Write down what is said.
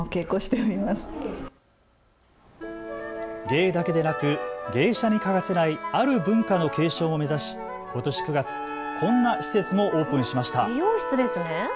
芸だけでなく芸者に欠かせないある文化の継承を目指しことし９月、こんな施設もオープンしました。